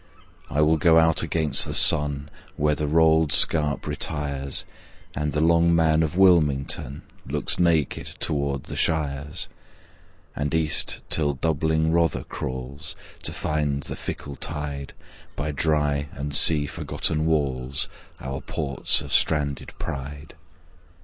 I will go out against the sun Where the rolled scarp retires, And the Long Man of Wilmington Looks naked toward the shires; And east till doubling Rother crawls To find the fickle tide, By dry and sea forgotten walls, Our ports of stranded pride.